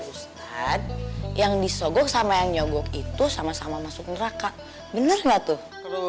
ustadz yang disogok sama yang nyogok itu sama sama masuk neraka bener nggak tuh